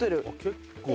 結構。